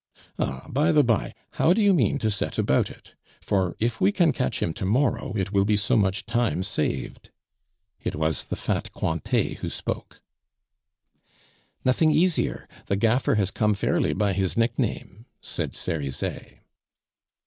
"Ah, by the by, how do you mean to set about it? For, if we can catch him to morrow, it will be so much time saved." It was the fat Cointet who spoke. "Nothing easier; the gaffer has come fairly by his nickname," said Cerizet.